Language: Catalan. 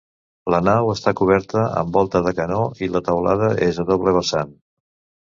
La nau està coberta amb volta de canó i la teulada és a doble vessant.